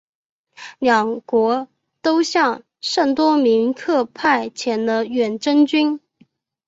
两国都向圣多明克派遣了远征军。